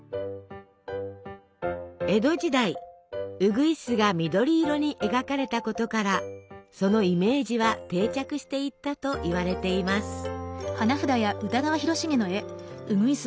江戸時代うぐいすが緑色に描かれたことからそのイメージは定着していったといわれています。